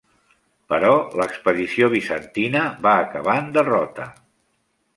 Però l'expedició bizantina va acabar en derrota.